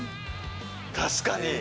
確かに。